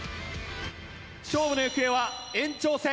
勝負の行方は延長戦。